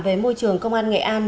về môi trường công an nghệ an